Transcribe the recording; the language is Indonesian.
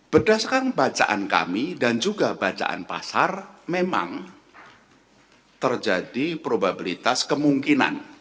berdasarkan bacaan kami dan juga bacaan pasar memang terjadi probabilitas kemungkinan